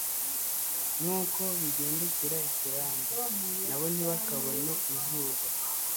nk'uko bigendekera ikirambu, na bo ntibakabone izuba